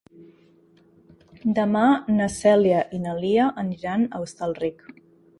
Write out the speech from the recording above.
Demà na Cèlia i na Lia aniran a Hostalric.